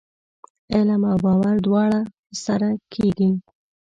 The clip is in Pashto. علم او باور دواړه سره کېږي ؟